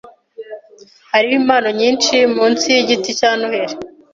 Hariho impano nyinshi munsi yigiti cya Noheri.